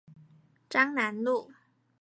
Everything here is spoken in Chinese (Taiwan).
彰南路